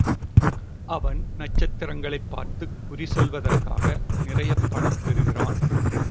அவன் நட்சத்திரங்களைப் பார்த்துக் குறி சொல்வதற்காக நிறையப் பணம் பெறுகிறான்.